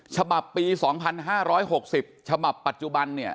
ฉบับปี๒๕๖๐ฉบับปัจจุบันเนี่ย